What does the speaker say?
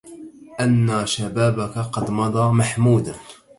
أنى شبابك قد مضى محمودا